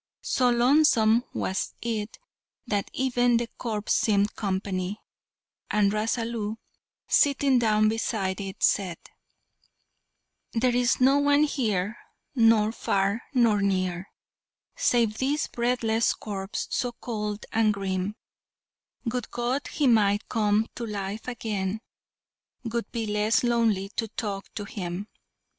So lonesome was it that even the corpse seemed company, and Rasalu, sitting down beside it, said: "There is no one here, nor far nor near, Save this breathless corpse so cold and grim; Would God he might come to life again, 'Twould be less lonely to talk to him."